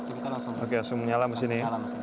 oke langsung menyalakan masinnya